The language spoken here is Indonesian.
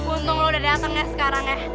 untung lu udah dateng ya sekarang ya